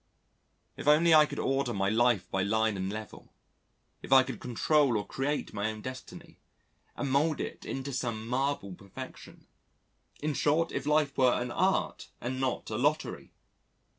If only I could order my life by line and level, if I could control or create my own destiny and mould it into some marble perfection! In short, if life were an art and not a lottery!